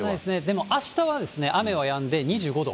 でもあしたは雨はやんで２５度。